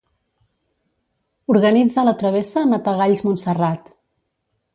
Organitza la Travessa Matagalls-Montserrat.